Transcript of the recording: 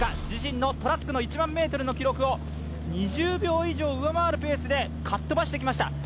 自身のトラックの１００００ｍの記録を２０秒以上上回るペースでかっ飛ばしてきました。